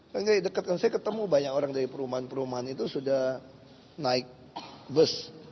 saya ketemu banyak orang dari perumahan perumahan itu sudah naik bus